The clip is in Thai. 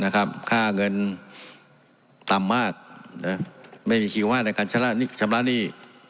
ค่าเงินต่ำมากไม่มีคิดว่าในการชะละหนี้